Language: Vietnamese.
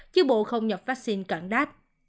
chứ bộ không nhập vaccine cận đát